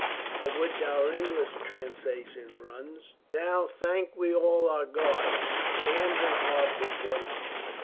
Of which our English translation runs: Now thank we all our God, With hands and hearts and voices.